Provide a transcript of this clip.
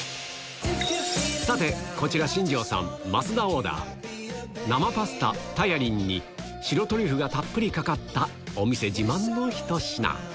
さて、こちら、新庄さん、増田オーダー、生パスタタヤリンに白トリュフがたっぷりかかったお店自慢の一品。